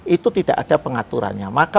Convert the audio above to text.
itu tidak ada pengaturannya maka